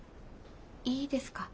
いいですか？